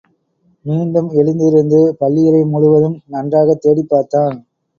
மீண்டும் எழுந்திருந்து பள்ளியறை முழுவதும் நன்றாகத் தேடிப் பார்த்தான்.